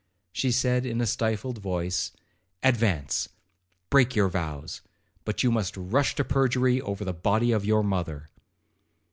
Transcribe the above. She said in a stifled voice, 'Advance,—break your vows,—but you must rush to perjury over the body of your mother.'